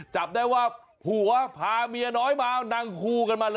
จับได้ว่าผัวพาเมียน้อยมานั่งคู่กันมาเลย